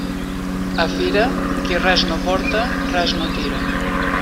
A fira, qui res no porta, res no tira.